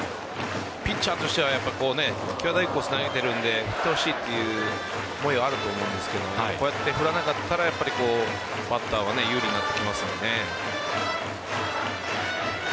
ピッチャーとしては際どいコースを投げているので振ってほしいという思いはあると思うんですがこうやって振らなかったらやっぱりバッターは有利になってきますよね。